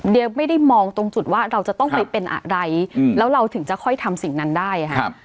เดี๋ยวไม่ได้มองตรงจุดว่าเราจะต้องไปเป็นอะไรแล้วเราถึงจะค่อยทำสิ่งนั้นได้ค่ะ